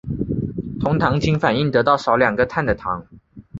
酮糖经反应得到少两个碳的糖。